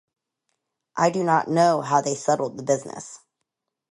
I do not know how they settled the business.